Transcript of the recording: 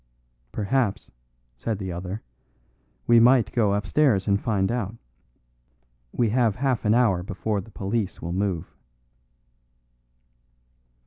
"Perhaps," said the other, "we might go upstairs and find out. We have half an hour before the police will move."